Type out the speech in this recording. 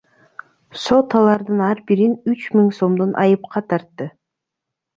Сот алардын ар бирин үч миң сомдон айыпка тартты.